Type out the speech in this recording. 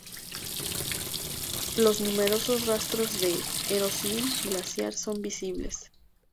Los numerosos rastros de erosión glaciar son visibles.